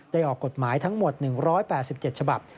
ออกกฎหมายทั้งหมด๑๘๗ฉบับ